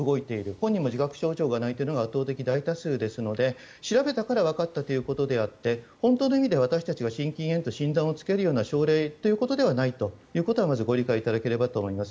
本人も自覚症状がないというのが圧倒的大多数ですので調べたからわかったということであって本当の意味で私たちが心筋炎と診断をつけるような症例ということではないということはまずご理解いただければと思います。